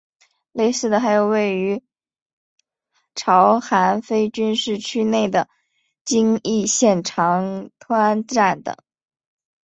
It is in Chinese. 类似的还有位于朝韩非军事区内的京义线长湍站等。